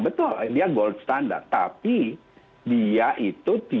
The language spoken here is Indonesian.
betul dia gold standard tapi dia itu tidak berhasil